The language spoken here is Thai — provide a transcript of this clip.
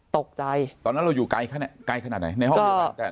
ตอนนั้นเราอยู่ไกลขนาดไหนในห้องเดียวกัน